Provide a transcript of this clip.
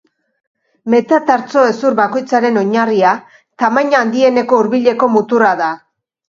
Metatartso-hezur bakoitzaren oinarria, tamaina handieneko hurbileko muturra da.